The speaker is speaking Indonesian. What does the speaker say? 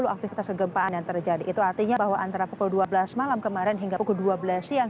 dua ratus enam puluh aktivitas kegempaan yang terjadi itu artinya bahwa antara dua belas malam kemarin hingga dua belas siang